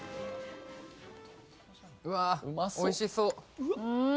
・うわおいしそううん！